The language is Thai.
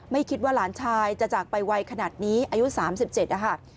ไม่คิดว่าหลานชายจะจากไปไวขนาดนี้อายุ๓๗นะคะ